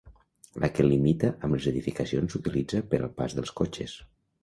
La que limita amb les edificacions s'utilitza per al pas dels cotxes.